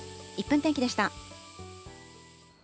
１分天気でした。